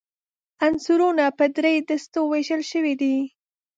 عنصرونه په درې دستو ویشل شوي دي.